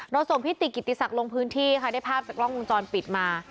ส่งพิติกิติศักดิ์ลงพื้นที่ค่ะได้ภาพจากกล้องวงจรปิดมา